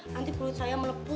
nanti kulit saya melepuh